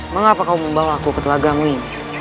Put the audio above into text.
mengapa kau membawa aku ke telagamu ini